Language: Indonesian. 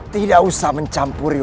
tidak usah mencampurinku